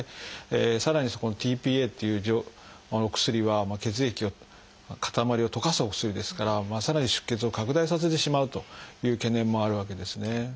さらにそこにｔ−ＰＡっていうお薬は血液を塊を溶かすお薬ですからさらに出血を拡大させてしまうという懸念もあるわけですね。